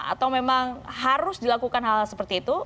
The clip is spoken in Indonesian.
atau memang harus dilakukan hal hal seperti itu